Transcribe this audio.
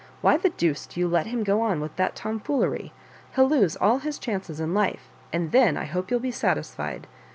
Why the deuce do you let him go on with that tomfoolery ? He'll lose all his chances in life, and then, I hope, you'll be satisfied.